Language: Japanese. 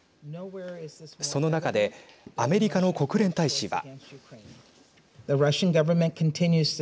その中でアメリカの国連大使は。